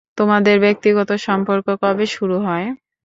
তোমাদের ব্যক্তিগত সম্পর্ক কবে শুরু হয়?